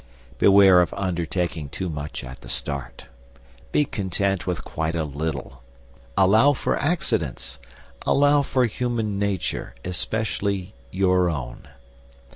Beware of undertaking too much at the start. Be content with quite a little. Allow for accidents. Allow for human nature, especially your own.